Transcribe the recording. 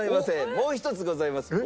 もう一つございます。